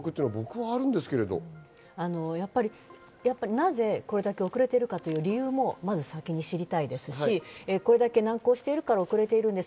なぜこれだけ遅れてるかという理由もまず先に知りたいですし、それだけ難航してるから遅れてるんです。